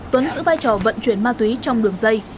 tuấn giữ vai trò vận chuyển ma túy trong đường dây